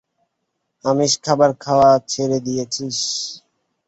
আমিষ খাবার খাওয়া ছেড়ে দিয়েছিস?